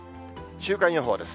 週間予報です。